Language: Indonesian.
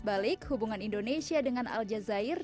selas balik hubungan indonesia dengan aljazeera